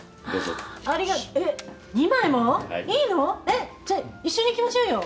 えっ？じゃあ一緒に行きましょうよ。